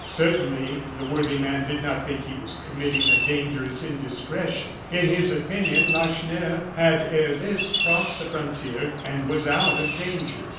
Certainly the worthy man did not think he was committing a dangerous indiscretion. In his opinion, Lacheneur had, ere this, crossed the frontier, and was out of danger.